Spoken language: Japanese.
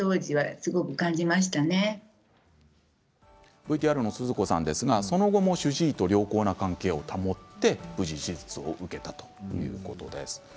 ＶＴＲのすずこさんはその後も主治医と良好な関係を保って無事に手術を受けたということです。